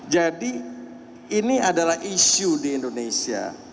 jadi ini adalah isu di indonesia